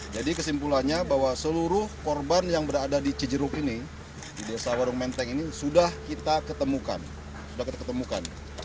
jadi kesimpulannya bahwa seluruh korban yang berada di cijeruk ini di desa warung menteng ini sudah kita ketemukan